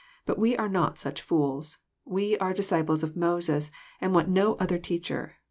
But we are not such fools. We are disciples of Moses, and want no* other teacher."